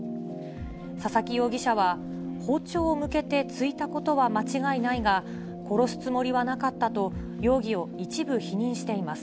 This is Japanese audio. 佐々木容疑者は、包丁を向けて突いたことは間違いないが、殺すつもりはなかったと、容疑を一部否認しています。